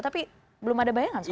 tapi belum ada bayangan